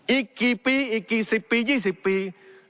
อีกกี่ปีอีกกี่สิบปียี่สิบปี